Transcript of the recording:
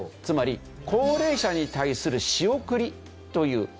つまり高齢者に対する仕送りという。